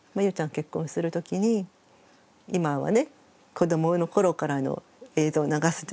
結婚するときに今はね子どもの頃からの映像を流すじゃない？